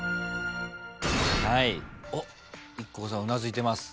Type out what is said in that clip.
おっＩＫＫＯさんうなずいてます。